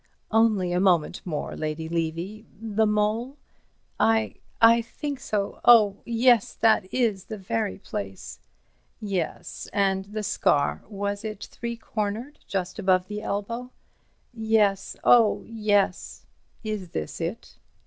"Only a moment more, Lady Levy. The mole—" "I—I think so—oh, yes, that is the very place." "Yes. And the scar—was it three cornered, just above the elbow?" "Yes, oh, yes." "Is this it?"